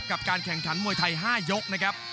กับการแข่งขันมวยไทย๕ยกนะครับ